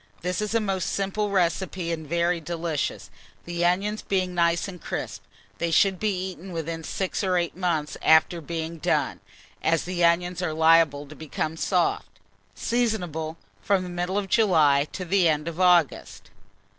This is a most simple recipe and very delicious, the onions being nice and crisp. They should be eaten within 6 or 8 months after being done, as the onions are liable to become soft. Seasonable from the middle of July to the end of August.